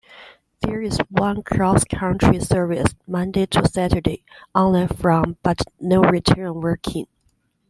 There is one CrossCountry service Monday to Saturday only from but no return working.